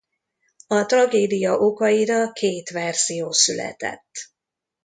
A tragédia okaira két verzió született.